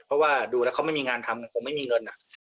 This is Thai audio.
เพราะว่าดูแล้วเขาไม่มีงานทำคงไม่มีเงินอ่ะ